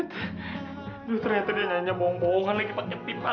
aduh ternyata dia nyanyi bohong bohongan lagi pake pipa